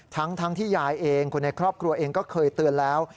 ทั้งที่ยายเองคนในครอบครัวเองก็เคยเตือนแล้ว